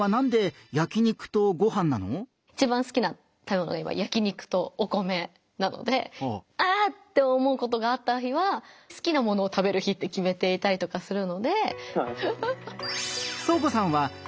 いちばん好きな食べ物が今焼肉とお米なのであぁっ！って思うことがあった日は好きなものを食べる日って決めていたりとかするので。